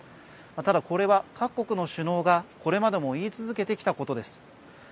ただ、これは各国の首脳がこれまでも言い続けてきたことです。